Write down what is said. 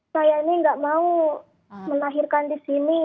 saya ini nggak mau melahirkan di sini